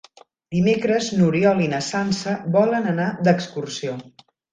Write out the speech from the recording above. Dimecres n'Oriol i na Sança volen anar d'excursió.